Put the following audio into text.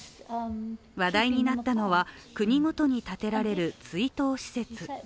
話題になったのは国ごとに建てられる追悼施設。